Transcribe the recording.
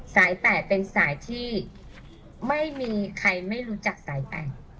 สาย๘เป็นสายที่ไม่มีใครไม่รู้จักสาย๘